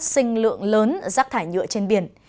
để phát sinh lượng lớn rắc thải nhựa trên biển